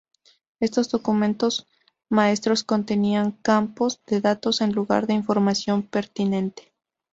Estos documentos maestros contenían campos de datos en lugar de la información pertinente.